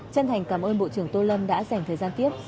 chân thành cảm ơn bộ trưởng tô lâm đã dành thời gian tiếp